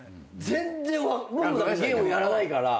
全然僕もゲームやらないから。